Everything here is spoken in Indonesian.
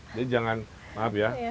jadi jangan maaf ya